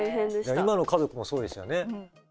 今の家族もそうでしたよね。